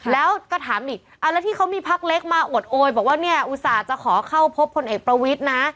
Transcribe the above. แล้วก็ถามอีกเอาแล้วที่เขามีพักเล็กมาอวดโอยบอกว่าเนี่ยอุตส่าห์จะขอเข้าพบพลเอกประวิทย์นะ